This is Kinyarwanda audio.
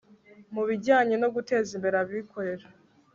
mu bijyanye no guteza imbere abikorera